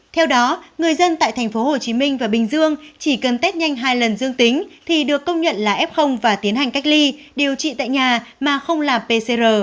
theo đó người dân tại thành phố hồ chí minh và bình dương chỉ cần test nhanh hai lần dương tính thì được công nhận là f và tiến hành cách ly điều trị tại nhà mà không làm pcr